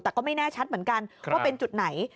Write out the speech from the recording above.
แต่ก็ไม่แน่ชัดเหมือนกันว่าเป็นจุดไหน